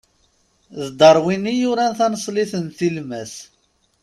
D Darwin i yuran taneṣlit n tilmas.